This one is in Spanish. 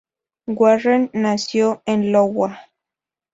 Warren nació en Iowa.